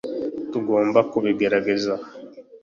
tugomba kubigerageza